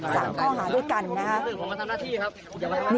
สามข้อหาด้วยกันนะฮะ